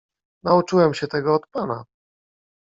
"Nauczyłem się tego od pana."